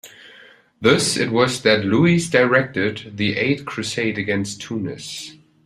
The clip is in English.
Thus it was that Louis directed the Eighth Crusade against Tunis.